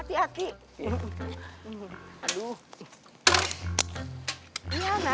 terima kasih ya